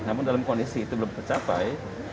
namun dalam kondisi itu belum tercapai